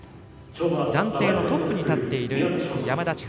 暫定のトップに立っている山田千遥。